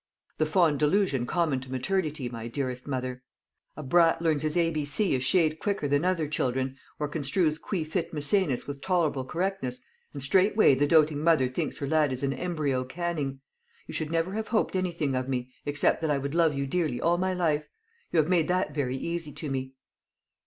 "The fond delusion common to maternity, my dearest mother. A brat learns his A B C a shade quicker than other children, or construes Qui fit Maecenas with tolerable correctness; and straightway the doting mother thinks her lad is an embryo Canning. You should never have hoped anything of me, except that I would love you dearly all my life. You have made that very easy to me."